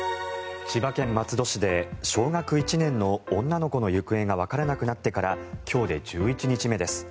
千葉県松戸市で小学１年の女の子の行方がわからなくなってから今日で１１日目です。